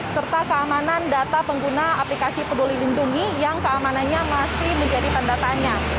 serta keamanan data pengguna aplikasi peguli lindungi yang keamanannya masih menjadi pendatanya